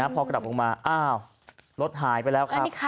พอกลับลงมาอ้าวรถหายไปแล้วครับ